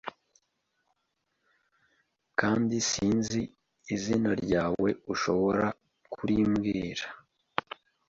Kandi sinzi izina ryawe ushobora kurimbwira